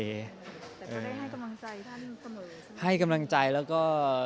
แต่พ่อได้ให้กำลังใจท่านกำลังใจแล้วก็